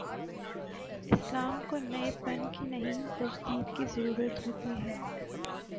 اسلام کو نئے پن کی نہیں، تجدید کی ضرورت ہو تی ہے۔